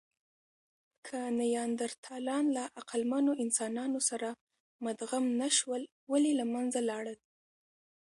که نیاندرتالان له عقلمنو انسانانو سره مدغم نهشول، ولې له منځه لاړل؟